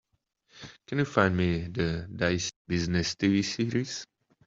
Can you find me the Dicey Business TV series?